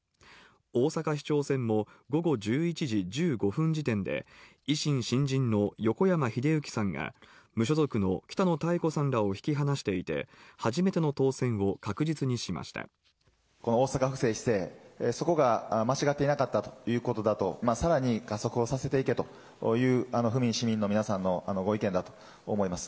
大阪市長選も午後１１時１５分時点で、維新・新人の横山英幸さんが、無所属の北野妙子さんらを引き離していて、初めての当選を確実にこの大阪府政・市政、そこが間違っていなかったということだと、さらに加速をさせていけという、府民、市民のご意見だと思います。